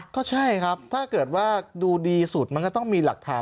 ก็ใช่ครับถ้าเกิดว่าดูดีสุดมันก็ต้องมีหลักฐาน